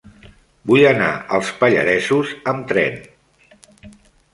Vull anar als Pallaresos amb tren.